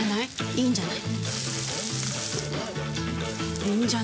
いいんじゃない？